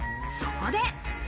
そこで。